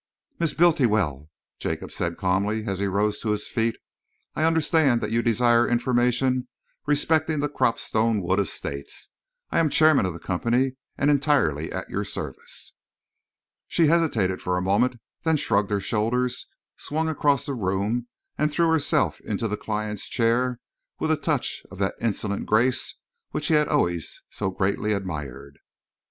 "Miss Bultiwell," Jacob said calmly, as he rose to his feet, "I understand that you desire information respecting the Cropstone Wood Estates. I am Chairman of the Company and entirely at your service." She hesitated for a moment, then shrugged her shoulders, swung across the room, and threw herself into the client's chair with a touch of that insolent grace which he had always so greatly admired.